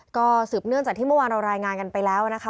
ก็สืบเนื่องจากที่เมื่อวานเรารายงานกันไปแล้วนะคะ